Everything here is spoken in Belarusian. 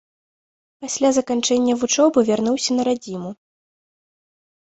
Пасля заканчэння вучобы вярнуўся на радзіму.